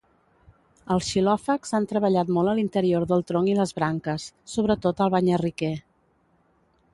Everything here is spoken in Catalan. Els xilòfags han treballat molt a l'interior del tronc i les branques, sobretot el banyarriquer.